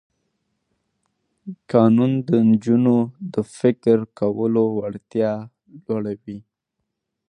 تعلیم د نجونو د فکر کولو وړتیا لوړوي.